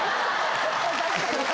確かに。